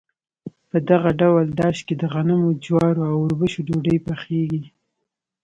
په دغه ډول داش کې د غنمو، جوارو او اوربشو ډوډۍ پخیږي.